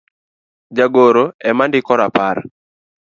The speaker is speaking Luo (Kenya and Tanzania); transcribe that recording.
jagoro ema ndiko rapar